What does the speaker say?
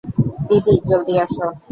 দিদি, জলদি আসো!